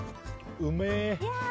うめえ！